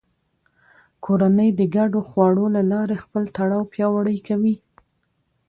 کورنۍ د ګډو خواړو له لارې خپل تړاو پیاوړی کوي